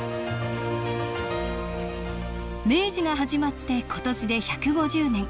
明治が始まって今年で１５０年。